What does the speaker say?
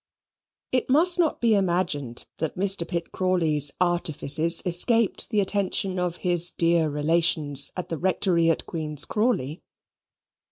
It must not be imagined that Mr. Pitt Crawley's artifices escaped the attention of his dear relations at the Rectory at Queen's Crawley.